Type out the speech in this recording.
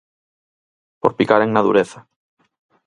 Por picaren na dureza.